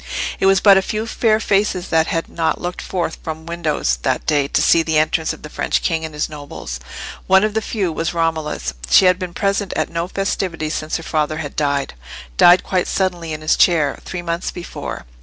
It was but a few fair faces that had not looked forth from windows that day to see the entrance of the French king and his nobles. One of the few was Romola's. She had been present at no festivities since her father had died—died quite suddenly in his chair, three months before.